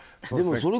そうですね。